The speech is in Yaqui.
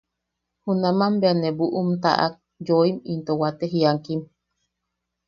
Junaman bea ne buʼum taʼak yooim into wate jiakim.